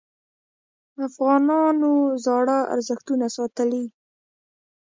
افغانانو زاړه ارزښتونه ساتلي.